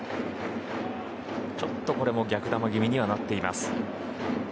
ちょっと逆球気味にはなっていました。